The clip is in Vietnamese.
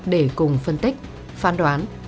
để cùng phân tích phán đoán